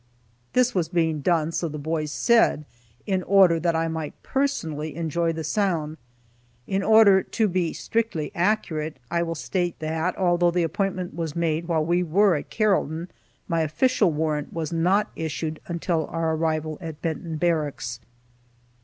This was being done, so the boys said, in order that I might personally enjoy the sound. In order to be strictly accurate, I will state that, although the appointment was made while we were at Carrollton, my official warrant was not issued until our arrival at Benton Barracks.